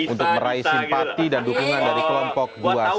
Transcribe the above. untuk meraih simpati dan dukungan dari kelompok